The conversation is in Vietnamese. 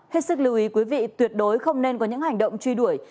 hết sức lưu ý quý vị tuyệt đối không nên có những hành động truy đuổi